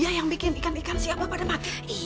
iya yang bikin ikan ikan si abah pada mati